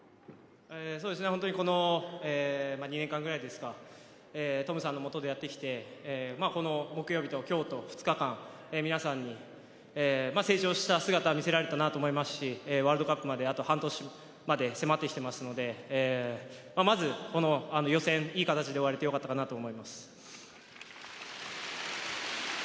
本当にこの２年間くらいですかトムさんのもとでやってきてこの木曜日と今日と２日間皆さんに成長した姿を見せられたなと思いますしワールドカップまであと半年に迫ってきていますのでまずこの予選をいい形で終われてよかったかなと思います。